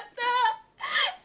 ingat allah pak